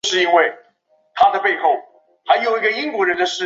其妻赵芸蕾亦为前中国国家羽毛球队队员。